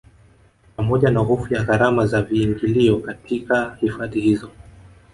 Pamoja na hofu ya gharama za viingilio katika hifadhi hizo